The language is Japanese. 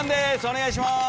お願いします。